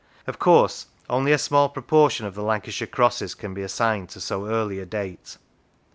Of course, only a small proportion of the Lancashire crosses can be assigned to so early a date.